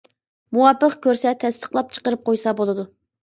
مۇۋاپىق كۆرسە تەستىقلاپ چىقىرىپ قويسا بولىدۇ.